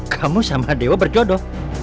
kamu sama dewa berjodoh